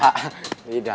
ya udah ya tika